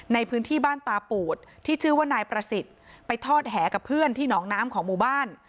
ในพื้นที่บ้านตาปูดที่ชื่อว่านายประสิทธิ์ไปทอดแหกับเพื่อนที่หนองน้ำของหมู่บ้าน